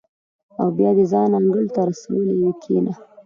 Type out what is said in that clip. او بیا دې ځان انګړ ته رسولی وي کېنه.